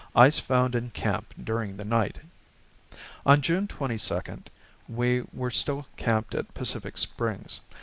Ice found in camp during the night." On June 22 we were still camped at Pacific Springs.